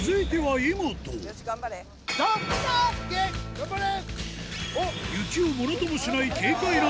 頑張れ！